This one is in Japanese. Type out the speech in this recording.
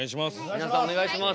皆さんお願いします。